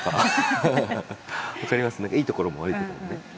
わかりますねいいところも悪いところもね。